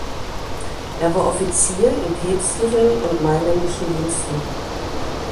Er war Offizier in päpstlichen und mailändischen Diensten.